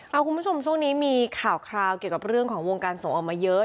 เอาคุณผู้ชมช่วงนี้มีข่าวคราวเกี่ยวกับเรื่องของวงการสงฆ์ออกมาเยอะ